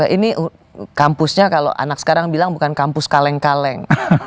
ini kampusnya kalau anak sekarang bilang bukan kampus kaleng kaleng